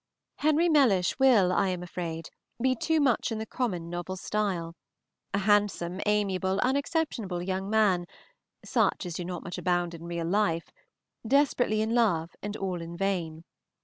Henry Mellish will be, I am afraid, too much in the common novel style, a handsome, amiable, unexceptionable young man (such as do not much abound in real life), desperately in love and all in vain.